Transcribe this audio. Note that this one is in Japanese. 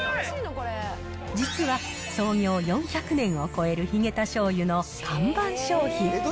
実は、創業４００年を超えるヒゲタしょうゆの看板商品。